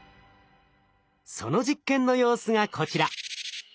その実験の様子がこちら。